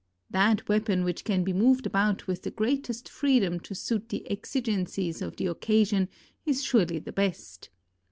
That weapon which can be moved about with the great est freedom to suit the exigencies of the occasion is surely the best.